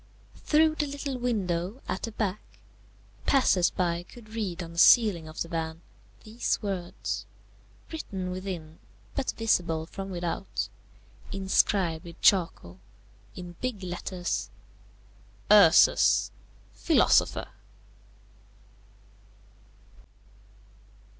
Through the little window at the back, passers by could read on the ceiling of the van these words, written within, but visible from without, inscribed with charcoal, in big letters, URSUS, PHILOSOPHER.